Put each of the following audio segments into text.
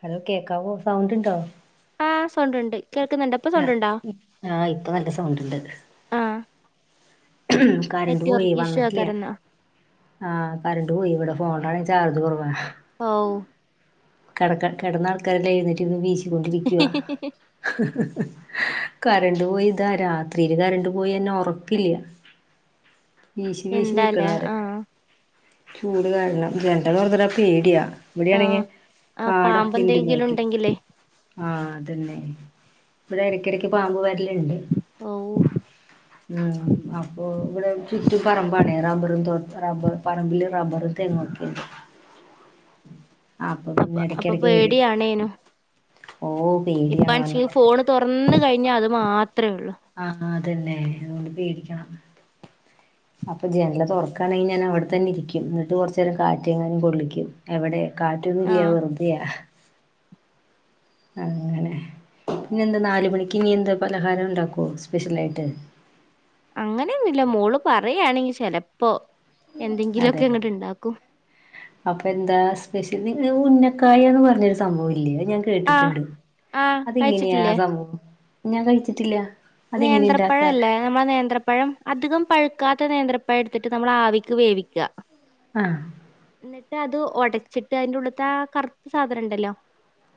Hello കേക്കാവോ sound ഇണ്ടോ? ആ സൗണ്ട് ണ്ട്. ആ ആഹ് ഇപ്പൊ നല്ല സൗണ്ട് ണ്ട്. ആഹ് ഹ്മ്മ് കറണ്ട് പോയി നെറ്റ്വർക്ക് ഇഷ്യൂ വന്നിട്ടില്ല്യ. ആക്കാരെന്നാ ആ കറണ്ട് പോയി ഇവിടെ ഫോണ ചാർജ് കുറവാ. ഔ കടക കെടന്ന ആൾക്കാരെല്ലാം എഴുന്നേറ്റിരിന്ന് വീശിക്കൊണ്ടിരിക്കുവാ. ഹ ഹ ഹ കറണ്ട് പോയിതാ രാത്രിയില് കറണ്ട് പോയന്നെ ഉറക്കില്ല. വീശി വീശി എന്താലേ നിക്കണവരെ ആഹ് ചൂട് കാരണം ജനൽ തോർന്ന്ടാൻ പേടിയാ. ഇവ്ടെയാണെങ്കി ആഹ് ആഹ് കാടൊക്കെണ്ട് പാമ്പെന്തെങ്കിലും ബാക്കിൽ. ഉണ്ടെങ്കിലേ ആഹ അതന്നെ. ഇവിടെ ഇടയ്ക്കിടക്ക് പാമ്പ് വര്ല്ണ്ട്. ഓ ഉം. അപ്പ ഇവിടെ ചുറ്റും പറമ്പാണെ റബ്ബറുംത്തോ റബ്ബർ പറമ്പില് റബ്ബറും തെങ്ങൊക്കെണ്ട്. [inaudible] അപ്പൊ പിന്നെ അപ്പൊ ഇടക്കിടക്ക് വരും പേടിയണേനും. ഓ പേടിയാണോന്ന് ഇപ്പാണിച്ച ഫോണ് തുറന്ന് കഴിഞ്ഞ അത് മാത്ര ആഹ അതന്നെ അതോണ്ട് പേടിക്കണം. അപ്പൊ ജനലല് തുറക്കാണെങ്കിൽ ഞാൻ അവിടെ തന്നെ ഇരിക്കും എന്നിട്ട് കുറച്ചു നേരം കാറ്റങ്ങാനും കൊള്ളിക്കും എവടെ? കാറ്റൊന്നും ഇല്ല്യ ആഹ് വെർതെയാ. അങ്ങനെ പിന്ന എന്താ നാല് മണിക്ക് ഇനി എന്താ പലഹാരം ഇണ്ടാക്കോ സ്പെഷ്യലാട്ട്. അങ്ങനെയൊന്നുമില്ല മോള് പറയയാണെങ്കിൽ ചെലപ്പോ. അതെ എന്തെങ്കിലൊക്കെ ഇങ്ങട്ട് ഇണ്ടാക്കും അപ്പൊ എന്താ സ്പെഷ്യല്? ഉന്നക്കായ എന്ന് പറഞ്ഞൊരു സംഭവില്ലെ ഇല്ല ഞാൻ ആഹ് കേട്ടിട്ട്ണ്ട് ആഹ് അത്ങ്ങനെയാ ആ കഴിച്ചിട്ടില്ലേ സംഭവം ഞാൻ കഴിച്ചിട്ടില്ല അതെങ്ങനെ നേന്ത്രപ്പഴ ഇണ്ടാക്കാ അല്ലേ നമ്മെളെ നേന്ത്രപ്പഴം അധികം പഴു ക്കാത്ത നേന്ത്രപ്പഴെടുത്തിട്ട് നമ്മൾ ആവിക്ക് വേവിക്ക ആഹ് എന്നിട്ടത് ഒട ചിട്ട് അതിന്റുള്ള്ത്തെ ആ കറുത്ത സാധനുണ്ടല്ലോ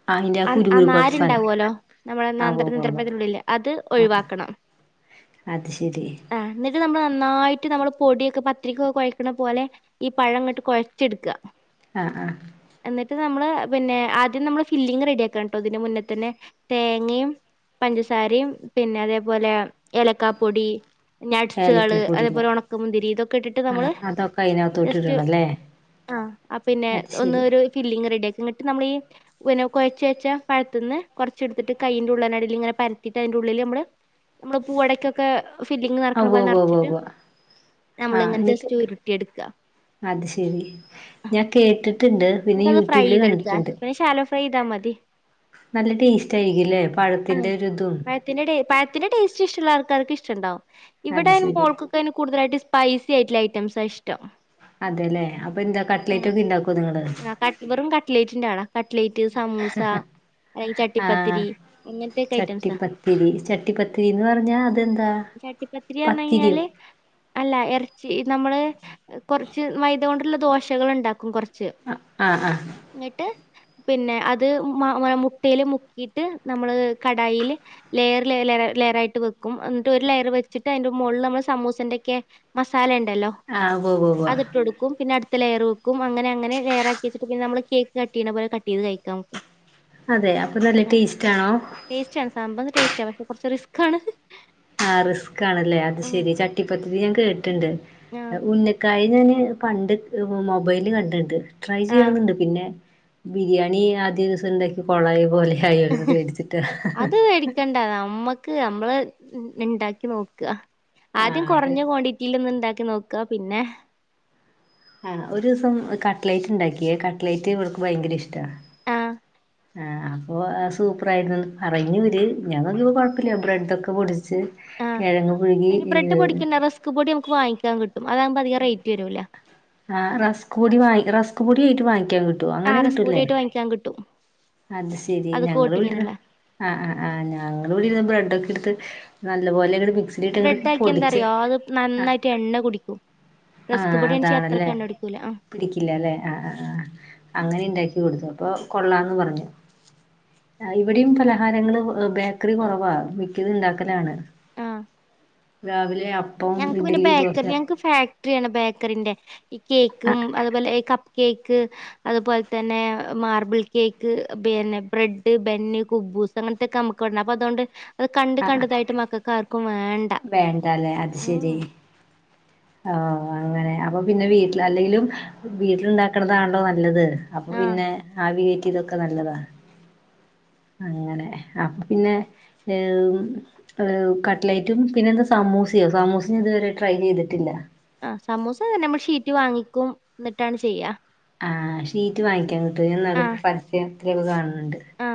ആ അയിന്റെ അ കുരു ആ കുരു പോലത്തെ സാനം നാരുണ്ടാവോലോ നമ്മളെ ആ ഉവ്വ നന്ത്ര ഉവ്വ ഉവ്വ നേന്ത്രപ്പയത്തിന്റുള്ളില് അത് ആഹ് ആഹ് ഒഴിവാക്കണം അത് ശരി ആ ന്നിട്ട് നമ്മള് നന്നായിട്ട് നമ്മള് പൊടിയൊക്കെ പത്തിരിക്കൊക്കെ കുഴക്കണ പോലെ ഈ പഴങ്ങട്ട് കോയെച്ചെടുക്ക ആഹ് ആഹ നമ്മള് പിന്നെ ആദ്യം നമ്മള് ഫില്ലിങ് റെഡി ആക്കാണട്ടോ ഇതിന്റെ മുന്നേ തന്നെ തേങ്ങിമം പഞ്ചസാരയും പിന്നെ അതേപോലെ ഏലക്കാപ്പൊടി നട്സാള് ഏലക്കപ്പൊടില്ലേ അതേപോലെ ഉണക്ക മുന്തിരി ഇതൊക്കെ ഇട്ടിട്ട് ആഹ് നമ്മള് അതൊക്കെ അയിനകത്തോട്ട് ജസ്റ്റ് ഇടണല്ലേ ആ പിന്നെ അത് ഒന്ന് ശരി ഒരു ഫില്ലിങ് റെഡി ആക്കി ഇന്നിട്ട് നമ്മളീ പിന്നെ കൊഴച്ച് വെച്ച പഴത്ത്ന്ന് കൊറച്ചെടുത്തിട്ട് കൈയി്ന്റുള്ളനടിയിൽ ഇങ്ങനെ പരത്തിട്ടയ്ന്റെ ഉള്ളിൽ നമ്മള് പൂവടക്കൊക്കെ ഫില്ലിങ്ങ് ആ നെറക്ക്ണ ഉവ്വ പോലെ ഉവ്വ ഉവ്വ നെറച്ചിട്ട് ഉവ്വ നമ്മള ആഹ് ഇങ്ങനെ എന്നിട്ട് ജസ്റ്റ് ഉരുട്ടി എടുക്കാ അത് ശെരി ഞാൻ കേട്ടിട്ടുണ്ട് പിന്നെ യൂട്യൂബില് കണ്ടിട്ടുണ്ട് ഫ ഇതാ മതി നല്ല ടേസ്റ്റ് ആയിരിക്കില്ലേ ആഹ് പഴത്തിന്റെ ഒരിതും [inaudible] പഴത്തിന്റെ ടേസ്റ്റ് ഇഷ്ടുള്ള ആർക്കാർ ഇഷ്ടണ്ടാവും അത് ഇവിടെ ശരി മോൾക്കൊക്കെ കൂടുതലായിട്ട് സ്പൈസി ആയിട്ടുള്ള ഐറ്റംസാ ഇഷ്ട്ടം അതെല്ലേ അപ്പൊ എന്താ ആ കട്ട്ലേറ്റ് ഒക്കെ ഇണ്ടാക്കോ നിങ്ങള് ആ വെറും കട്ട്ലേറ്റിണ്ടടാ കട്ലേറ്റ് സമൂ [unintelligible] അ ഈ ചട്ടിപ്പത്തിരി ഇങ്ങനത്തെക്കെ ഐറ്റംസാ [unintelligible] പത്തിരി ചട്ടി പത്തിരിന്ന് പറഞ്ഞാ അതെന്താ ചട്ടിപ്പത്തിരി പറഞ്ഞ് പത്തിരിയോ കഴിഞ്ഞാല് അല്ല ഇറച്ചി നമ്മള് കുറച്ച് മൈത കൊണ്ടുള്ള ദോശകൾ ഉണ്ടാക്കും കൊറ ച്ച് ആ ആഹ് ആഹ് ന്ന്ട്ട് പിന്നെ അത് മ മുട്ടൽ മുക്കിയിട്ട് നമ്മള് കടായില് ലെയർ ലെയർ ആയിട്ട് വെക്കും എന്നിട്ട് ഒരു ലെയർ വെച്ചിട്ട് അതിന്റെ മുകളിൽ നമ്മൾ സമൂസിന്റെൊക്കെ മസാല ഇ ലല്ലോ ആഹ് ഉവ്വ് ഉവ്വ് ഉവ്വ് അത്ട്ട് കൊടുക്കും പിന്നെ അടു ലെയർ വക്കും അങ്ങന അങ്ങനെ ലെയറക്കി വെിട്ട് പിന്ന നമ്മള് കേക്ക് കട്ട് ചെയ്യണ പോലെ കട്ട്ത് കഴിക്കാം [unintelligible] അതെ അപ്പൊ നല്ല ടേസ്റ്റാണോ ടേസ്റ്റാണ് സംഭവം ടേസ്റ്റാ പക്ഷെ കുറച്ച് റിസ്ക് ആണ് ആഹ റിസ്ക് ആണല്ലേ അത് ശെരി ചട്ടിപത്തിരി ഞാൻ കേട്ടിണ്ട് ആഹ് ഉന്നക്ക [unintelligible] കണ്ട്ക്ക്‌ മൊബൈല് കണ്ടിണ്ട് ട്രൈ ആഹ് ചെയ്യന്നണ്ട് പിന്നെ ബിരിയാണി ആദ്യ ദിവസം ഇണ്ടാക്കി കൊളായ പോലെ ആയോന്ന് പേടിച്ചിട്ടാ അത് മേടിക്കണ്ട നമ്മക്ക് നമ്മള് ഉ ഉണ്ടാക്കി നോക്കുക ആദ്യം ആഹ് കുറഞ്ഞ ക്വാണ്ടിറ്റിൽ ഒന്ന് ഉണ്ടാക്കി നോ ക്ക പിന്നെ ആ ഒരു ദിവസം കട്ലൈറ്റ് ഉണ്ടാക്കിയ കട്ലൈറ്റ് ഇവർക്ക് ഭയങ്കര ഇഷ്ട ആ ആ അപ്പോ സൂപ്പർ ആയിരുന്നുന്ന് പറഞ്ഞിവര് ഞാൻ [unintelligible] കുഴപ്പില്ല ബ്രെഡൊക്കെ പൊടി- ച്ച് ആഹ് കിഴങ്ങ പുഴുകി അതിന് ഏ ബ്രെഡ് പൊടിക്കണ്ട റസ്ക് പൊടി നമുക്ക് വാങ്ങിക്കാൻ കിട്ടും അതാകുമ്പോ അധികം റേറ്റ് വരൂല ആഹ് റസ്ക് പൊടി വായി റസ്ക് പൊടി ആയിട്ട് വാങ്ങിക്കാൻ കിട്ടും അങ്ങനെ ആഹ് റസ്ക് കിട്ടൂല്ലേ പൊടിയായിട്ട് വാങ്ങിക്കാൻ കിട്ടും അത് ശരി അത് ഞങ്ങള് വിട് കോട്ടിങ്ങിനുള്ള ആ ആ് ആ ഞങ്ങള്ൾ വിടിർന്ന് ബ്രെഡ ഒക്കെ എട് ത്ത് നല്ല പോലെ [unintelligible] ബ്രെഡ് ആക്കി ന്താറിയോ അത് ആഹ് നന്നായിട്ട് എണ്ണ കുടിക്കും റസ്ക് പൊടി [unintelligible] ച്ച അത്രക്ക്‌ എണ്ണപിടിക്കൂല ആ പിടിക്കില്ല അല്ലേ ആ ആ അങ്ങനെ ഉണ്ടാക്കി കൊടുത്തു അപ്പോൾ കൊള്ളാന്ന് പറഞ്ഞു ഇവിടെയും പലഹാരങ്ങള് ബേക്കറി കുറവാ മിക്കത് ഇണ്ടാക്കലാണ്. ആഹ് [unintelligible] രാവിലെ ആ ഞങ്ങക്ക് പിന്നെ ബേക്കറി ഞങ്ങക്ക് ഫാക്ടറിയാണ് ബേക്കറിന്റെ ഈ കേക്കും ആഹ് അതുപോലെ കപ്പ കേക്ക് അതുപോലെ തന്നെ മാർബിൾ കേക്ക് പിന്നെ ബ്രെഡ് ബന്ന് കുബു ബൂസ് അങ്ങനത്തോക്കെ ന്നമക്ക് ഇവടെണ്ട് അപ്പം അതോണ്ട് കണ്ട് ആഹ് ആഹ് കണ്ടതായിട്ട് മക്കൾക്കകാർ വേണ്ടല്ലേ. അത് ശരി ആ ഓ അങ്ങനെ അപ്പൊ പിന്നെ വീട്ടിൽ അല്ലെങ്കിലും വീട്ടിലു ണ്ടാക്കണതാണല്ലോ നല്ലത്. അപ്പൊ ആഹ് പിന്നെവീട്ത്തൊക്കെ നല്ലതാണ്. അങ്ങനെ അപ്പ് പിന്നെ ഏ കട്ലൈറ്റും പിന്നെന്താ സാമു സമൂസിയോ സാമൂസന് ഇതുവരെ ട്രൈ ചെയ്തിട്ടില്ല. ആ സമൂസന്നെ നമ്മൾ ഷീറ്റ് വാങ്ങിക്കും. എന്നിട്ടാണ് ചെയ്യാ ആഹ് ഷീറ്റ് വാങ്ങിക്കാ കിട്ട [inaudible] എന്ന പരസ്യത്തില [inaudible] കാണ ആ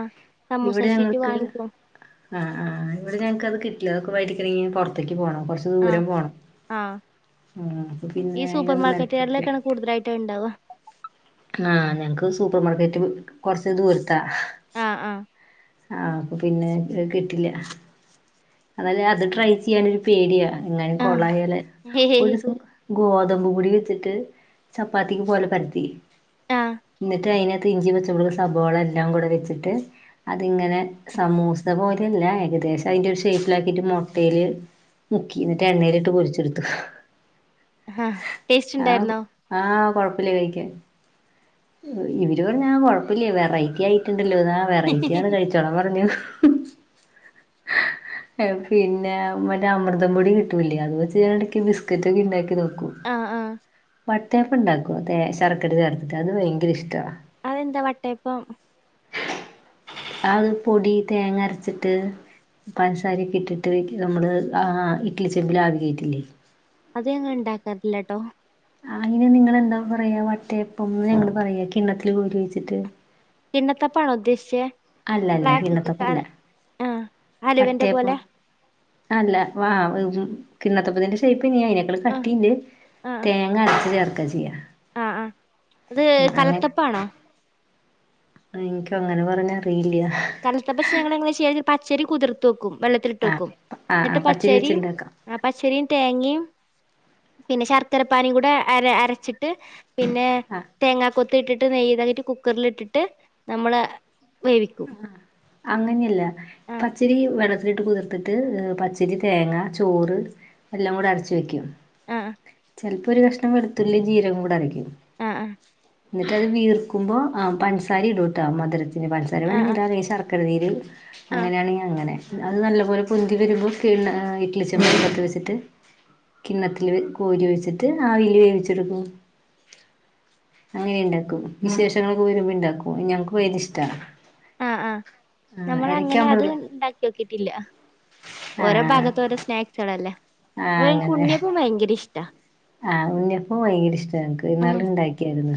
ഇവിടെ ഞങ്ങക്ക് ആ ആ ഇവിടെ ഞങ്ങക്ക്ത് കിട്ടില്ല അതൊക്കെ വൈറ്റി [unintelligible] പുറത്തേക്ക് പോണം കൊറച്ച് ദൂരം ആഹ് പോണം. ആഹ് ആ അപ്പൊ പിന്നെ ഈ സൂപ്പർ അയിനൊന്നും മെൻകടില്ല. മാർക്കറ്റുകളിലൊക്കെയാണ് കൂടുതലായിട്ട് ഉണ്ടാവ ആ ഞങ്ങൾക്ക് സൂപ്പർമാർക്കറ്റ് കുറച്ച് ദൂരത്താ. ആഹ ആഹ ആഹ് അപ്പൊ പിന്നെ കിട്ടില്ല ല് അത് ട്രൈ ചെയ്യാനൊരു പേടിയാ ഇങ്ങനെ ആഹ് കോളായാലും ഒരു ഹേഹ് ദിവസം ഗോതമ്പ് പൊടി വെച്ചിട്ട് ചപ്പാത്തിക്ക് പോലെ പരത്തി ആഹ് എന്നിട്ട് അയിനെ ഇഞ്ചി പച്ചമുളക് സഭോള എല്ലാം കൂടെ വെച്ചിട്ട് അതിങ്ങനെ സമൂസ പോലല്ല ഏകദേശം അതിന്റെ ഒരു ഷേപ്പിലാക്കിട്ട് മുട്ടെൽല് മുക്കി എന്നിട്ട് എണ്ണയില ഇട്ട് പൊരിച്ചെടുത്തു. ആഹ ടേസ്റ്റ് ഉണ്ടായിരുന്നോ കുഴപ്പമില്ല കഴിക്കാൻ ഇവര് പറഞ്ഞു കുഴപ്പമില്ല വെറൈറ്റി ആയി ണ്ടല്ലോ വെറൈറ്റി ആണ് കഴിച്ചോളാ പറഞ്ഞു. ഹാ എഫ് ബി പിന്നെ അമൃത പൊടി കിട്ടുന്നില്ലേ അതുവച്ച് ഇടക്ക് ബിസ്ക്കറ്റ് ഉണ്ടാകും നോക്കും. ആഹ് ആഹ് കു വട്ടയപ്പം ഉണ്ടാക്കും. അതേ ശർക്കര ചേർത്ത് ഭയങ്കര ഇഷ്ടാ അതെന്താ വട്ടയപ്പം അത് പൊടി തേങ്ങ അരച്ചിട്ട് പഞ്ചസാാരയൊക്കെ ഇട്ടിട്ട് നമ്മള് ആ ഇഡ്ലി ചെമ്പിൽ ആവി കേറ്റില്ലേ അത് ങ്ങൾ ഉണ്ടാക്കാറില്ലട്ടോ. ആയിനിങ്ങൾ ന്താ പറയാ വട്ടയപ്പംന്ന് ഞങ്ങള് പറയാ കിണ്ണത്തില്ലി കോരി വെച്ചിട്ട് കിണ്ണത്തപ്പം ആണോ ഉദ്ദേശിച്ചത്. അല്ലല്ല കിണ്ണത്തപ്പം അല്ല ആഹ് ഹലുവന്റെ വട്ടേയപ്പം പോലെ ആ അല്ലവാ [unintelligible] കിണ്ണത്തപ്പം തന്നെ ഷേപ്പന്യാണ് ഐന ക്കാളും ആഹ് കട്ടിണ്ട് തേങ്ങ അരച്ച് ചേർക്കാചെയ്യ ആ ഹ അത് കലത്തപ്പം ആണോ. എനിക്കു അങ്ങനെ പറഞ്ഞ അറിയില്ല. കൽത്തപ്പം സപ ച്ചേരി കുതിർത്ത് വെക്കും. വെള്ളത്തിലിട്ട് ആഹ് വെക്കും ആഹ് എന്നിട്ട് ആഹ് പച്ചരി പച്ചരിയും വെച്ചുണ്ടാക്കാം പച്ചരിയും തേങ്ങയും. പിന്നെ ശർക്കര പാനി കൂടെ അര അരച്ചിട്ട് പിന്നെ ആഹ് തേങ്ങ കൊത്ത് ഇട്ടിട്ട് നെയ്യ് കുക്കറിലിട്ടിട്ട് നമ്മൾ വേവിക്കും. അങ്ങനെയല്ല ആഹ് പചരി വെള്ളത്തിലിട്ട് കുതിർത്തിട്ട് പച്ചരി തേങ്ങ ചോറ് എല്ലാം കൂടെ അരച്ച് വയ്ക്കും. ആഹാ ചിലപ്പോൾ ഒരു കഷ്ണം വെളുത്തുള്ളിയും ജീരകും അരക്കും. ആഹ് എന്നിട്ട് അത് വീർക്കുമ്പോഅ പഞ്സാര ഇടോട്ടാ മധുരത്തിന് പഞ്സാരി ആഹ് വേണെങ്കി ആഹ് ഇട അല്ലങ്കി ശർക്കര നീര് ആഹ് അങ്ങനെയാണെങ്കിൽഅങ്ങനെ അത് നല്ലപോലെ പൊന്തി വരുമ്പോ കീണ് ഇഡ്ലി ചെമ്പ് അടുപ്പത്ത് വെച്ചിട്ട് കിണത്തില്ൽ കോരി വെച്ചിട്ട് ആവില് വേവിച്ചെടുക്കും അങ്ങനെ ഇണ്ടാക്കും വിശേഷങ്ങൊക്കെ വരുമ്പ ഉണ്ടാക്കും ഞങ്ങക്ക് ഭയ കര ഇഷ്ടമാണ് ആഹ് ആഹ നമ്മൾ അങ്ങനെ അത് അമൃത് ഉണ്ടാക്കി നോക്കിട്ടില്ല ആ ഓരോ ഭാഗത്ത ഓരോ സ്നാക്സല്ല ഉണ്ണിയപ്പ ഭയങ്കരഇഷ് ഇഷ്ടമാണ് ആഹ് ഉഞ്ഞപ്പ ഭയങ്കര ഇഷ്ട എനക്ക് ഉം എന്നാാല ഇണ്ടാക്കിയായിരുന്നു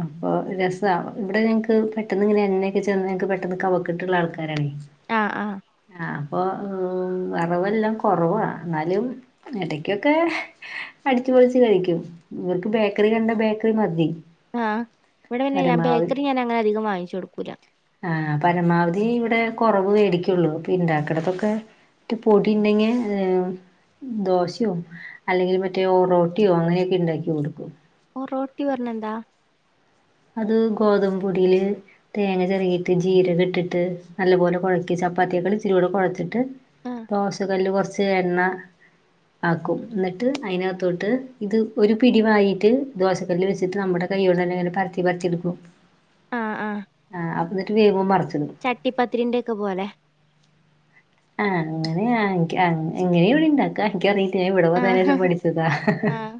അപ്പൊ രസാ ഇ വിട ഞങ്ങൾക്ക് പെട്ടെന്ന് എണ്ണചന്നാ കഫക്കെട്ട് ഉള്ളവർക്ക് ആൾക്ക് ര ആഹ് ആഹ് അ അപ്പൊ ആ അ റ വെല്ലാം കുറ വാ നാലു ഇടക്കൊക്കെ അടിച്ചുപൊളിച്ചു കഴിക്കും ഇവർക്ക് ബേക്കറി കണ്ട ബേക്കറി മതി ആഹ് ഇവിടെ പിന്നെ ഞാൻ ബേക്കറി ഞാൻ അങ്ങനെ അധികം വാങ്ങിച്ചു കൊടുക്കൂല ആപരമാവധി ഇവിടെ കുറവ് മേടിക്കുള്ളൂ പിണ്ടാക്കിടത്തൊക്കെ പൊടിണ്ടെങ്കിൽ ദോശയോ അല്ലെങ്കിൽ മറ്റേ റോട്ടിയോ അങ്ങനെയൊക്കെ ഉണ്ടാക്കി കൊടുക്കും റോട്ടി പറണ എന്താ അത് ഗോതമ്പ് പൊടിയില് തേങ്ങ ചെരകിട്ട് ജീരകം ഇട്ടിട്ട് നല്ലപോലെ കുഴക്കി ചപ് ചപ്പാത്തിയെക്കാൾ ഇച്ചിരി കൂടെ കുഴചിട്ട് ആഹ് ദോശ കല്ല് കുറച്ച് എണ്ണ ആക്കും എന്നിട്ട് അതിനകത്തോട്ട് ഇത് ഒരു പിടിവായിട്ട് ദോശക്കല്ല് വെച്ചിട്ട് നമ്മുടെ കയോണ്ട് ന്നെങ്ങനെ പരത്തി പരത്തി എടുക്കും ആ എന്നിട്ട് വേവുമ്പോ മറി ചട്ടിപ്പത്തിരി ന്റെ ഒക്കെ പോലെ ആഹ് അങ്ങനെയ എങ്ങനെയ ഇവിടെ ഉണ്ടാക്ക എനിക്കറി ഞാൻ ഇവിടെ വന്നതിന് ആഹ് ശേഷം പഠിച്ചതാ ആഹ്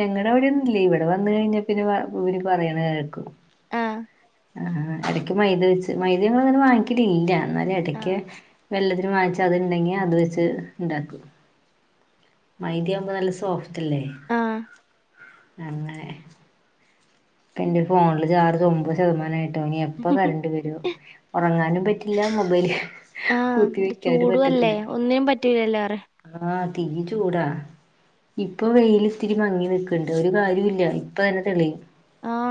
ഞങ്ങടെ അവിടോന്നില്ല ഇവിടെ വന്ന കഴിഞ്ഞാ പിന്നെ ഇവർ പറയണ കേക്കും ആഹ് ആ ഇടയ്ക്ക് മൈദ വെച്ച് മൈദ ഞങ്ങ അങ്ങനെ വാങ്ങിക്കലില്ല എന്നാല് ഇടക്ക് ആഹ് വല്ലതിനും വങ്ങിച്ച ണ്ടെങ്കി അത് വെച്ച് ഉണ്ടാക്കും മൈദയാവുമ്പോ നല്ല സോഫ്റ്റ്ല്ലേ ആഹ് അങ്ങനെ പ്പ എന്റെ ഫോണില് ചാർജ് ഒമ്പത് ശതമാനംമായിട്ടോ എപ്പ കറണ്ട് വരു ഉറങ്ങാനും പറ്റ ല്ല മൊബൈല് ആഹ് കുത്തി ഇത് വെക്കാനും ചൂടും അല്ലേ പറ്റത്തില്ല ഒന്നിനും പറ്റൂലല്ലോ പറ ആ ഈ ചൂടാ ഇപ്പൊ വെയിൽ ഇത്തിരി മങ്ങി നിക്കണ്ട് ഒരു കാര്യ ഇല്ല ഇപ്പൊ തന്നെ തെളിയും ആഹ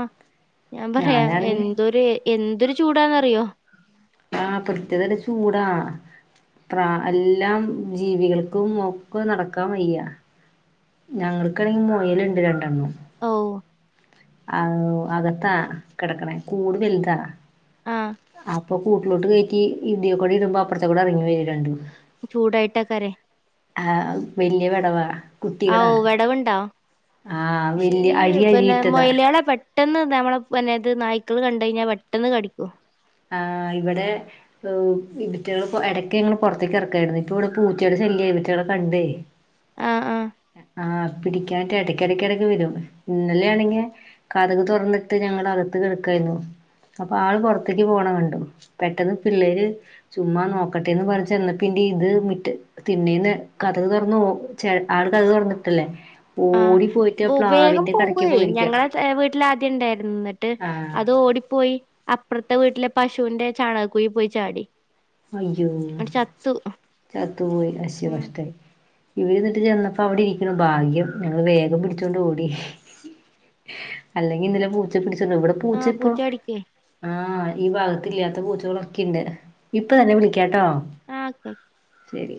ഞാൻ പറയാ ഞാനാണെങ്കി എന്തൊരു എന്തൊരു ചൂടാന്നറിയോ ആഹ് പ്രതേക തരം ചൂടാ പ്ര എല്ലാം ജീവികൾക്കും ഒക്കെ നടക്കാൻ വയ്യാ ഞങ്ങൾക്കാണെങ്കി മോയലുണ്ട് രണ്ടെണ്ണം ഓ ആ അകത്താ കിടക്ക്ണെ കൂട് വലുതാ ആഹ് കൂട്ടിലോട്ട് കയറ്റി ഇതിയോ കൂടി ഇടുമ്പോ അപ്പുറേത്തെ കൂടെ ഇറങ്ങി വരും രണ്ടും ചൂടായിട്ടക്കാരെ ആഹ വലിയ വെടവാ ഓ കുട്ടികളാ വിടവുണ്ടോ ആ വല്യ ശരി അഴി പിന്നെ അഴിയിട്ടതാ മൊയാലാളെ പെ പെട്ടെന്ന് നമ്മള പിന്നെ ത് നായ്ക്കൾ കണ്ട് കഴിഞ്ഞാൽ പെട്ടെന്ന് കടിക്കും. ആ ഇവിടെ ഇതറ്റകൾ ഇടക്ക് പുറത്തേക്ക് ഇറക്കായിരുന്നു ഇപ്പ ഇവിടെ പൂച്ചയുടെ ശല്യം ഇതിറ്റാടെ കണ്ടേ ആഹ് ആഹ് ആ പിടിക്കാനായിട്ട് ഇടക്കിടക്കിടക്ക് വരും ഇന്നലൊണെങ്കിൽ കഥക് തുറന്നിട്ട് ഞങ്ങൾ അകത്ത് കിടക്കായി അപ്പൊ ള് പുറത്ത് പുറത്തേക്ക് പോകണ കണ്ട് പെട്ടെന്ന് പിള്ളേര് ചുമ്മാ നോക്കട്ടെന്ന് പറഞ്ഞ ചെന്നപ്പന്റെ ഇത് മിറ്റത് തിന്നേന്ന് കഥക് തുറന്നു ച ആ കഥക് തുറന്നിട്ടല്ലേ ഓ പോയിട്ട് ആ വേഗം പ്ലാവിന്റെ കടയ്ക്ക് പോവയേ പോയിരിക്കാ ഞങ്ങള വീട്ടിൽ ആദ്യം ഉണ്ടായിരുന്നു എന്നിട്ട് ആഹ് അത് ഓടിപ്പോയി അപ്പറത്തെ വീട്ടിലെ പശുവിന്റെ ചാണക കുഴി പോയി ചാടി. അയ്യോ ന്നട്ട് ചത്തു ചത്തൂ പോയി അശോ ഉം കഷ്ടായി ഇവിടെന്നിട്ട് ചെന്നപ്പോ അവിടെ ഇരിക്ക്ണ് ഭാഗ്യം. ഞങ്ങള് വേഗം പിടിച്ചോണ്ട് ഓടി. അല്ലെങ്കി ഇന്നലെ പൂച്ച പിടിച [unintelligible] പൂച്ച ആഹ് ഇപ്പൊ കടിക്കേ ആ ഈ ഭാഗത്തി ഇല്ലാത്ത പൂച്ചകളൊക്കെണ്ട്. ഇപ്പൊ [unintelligible] വിളിക്കാട്ടോ ആഹ് ശരി.